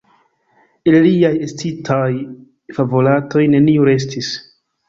El liaj estintaj favoratoj neniu restis.